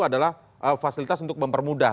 adalah fasilitas untuk mempermudah